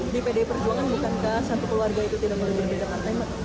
di pd perjuangan bukankah satu keluarga itu tidak melalui dugaan teman teman